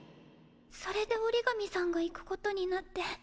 それで折紙さんが行くことになって。